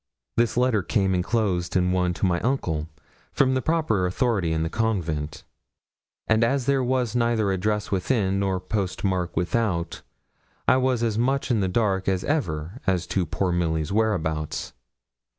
This letter came enclosed in one to my uncle, from the proper authority in the convent; and as there was neither address within, nor post mark without, I was as much in the dark as ever as to poor Milly's whereabouts.